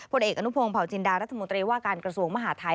เอกอนุพงศ์เผาจินดารัฐมนตรีว่าการกระทรวงมหาทัย